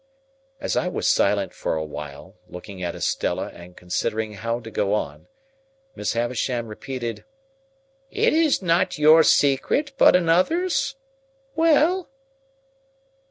As I was silent for a while, looking at Estella and considering how to go on, Miss Havisham repeated, "It is not your secret, but another's. Well?"